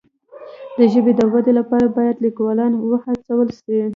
د ژبې د ودي لپاره باید لیکوالان وهڅول سي.